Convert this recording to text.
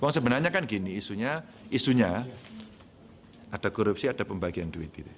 sebenarnya kan gini isunya ada korupsi ada pembagian duit